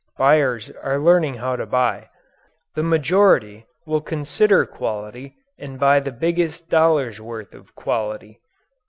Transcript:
Buyers are learning how to buy. The majority will consider quality and buy the biggest dollar's worth of quality.